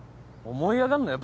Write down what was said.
思い上がんなよ